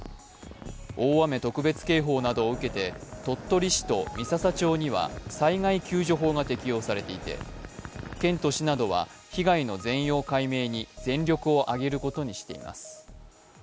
大雨特別警報などを受けて鳥取市と三朝町には災害救助法が適用されていて県と市などは被害の全容解明に全力を挙げることにしています。